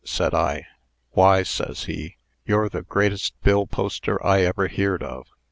said I. 'Why, ses he, 'you're the greatest bill poster I ever heerd of.